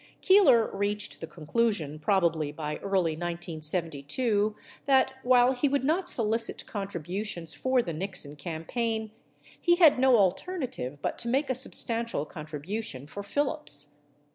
Keeler reached the conclusion, probably by early 1972, that, while he would not solicit contributions for the Nixon campaign, he had no alternative but to make a substantial contribution for Phillips.